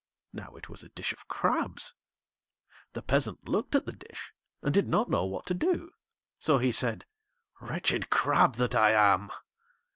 Now it was a dish of crabs. The Peasant looked at the dish and did not know what to do, so he said: 'Wretched Crabb that I am.'